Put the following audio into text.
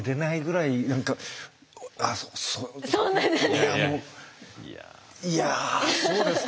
いやあのいやそうですか。